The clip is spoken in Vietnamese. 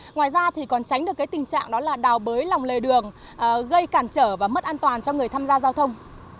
ngoài ra còn tránh được tình trạng đào bới lòng lề đường gây cản trở và mất an toàn cho người tham gia giao thông